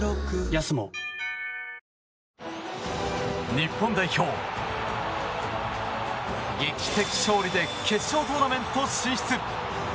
日本代表、劇的勝利で決勝トーナメント進出！